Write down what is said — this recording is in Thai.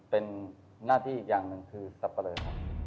เป็นน่าที่อย่างหนึ่งซาประเริก